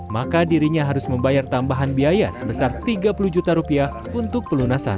maka dirinya harus membayar tambahan biaya sebesar tiga puluh juta rupiah untuk pelunasan